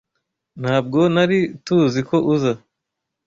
Ntabwo nari TUZI ko uza.